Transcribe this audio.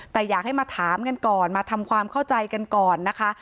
แต่อยากให้มาถามกันก่อนมาทำความเข้าใจกันก่อนนะคะ